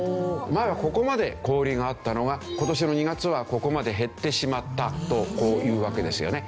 前はここまで氷があったのが今年の２月はここまで減ってしまったとこういうわけですよね。